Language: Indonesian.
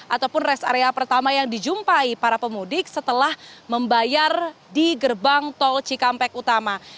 ataupun rest area pertama yang dijumpai para pemudik setelah membayar di gerbang tol cikampek utama